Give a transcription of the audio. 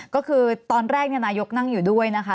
ก็คือตอนแรกนายกนั่งอยู่ด้วยนะคะ